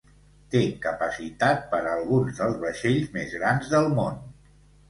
Té capacitat per a alguns dels vaixells més grans del món.